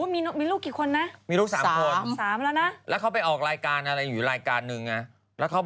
มีวิธีการกระชับรักกันอย่างไร